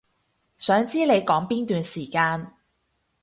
想知你講邊段時間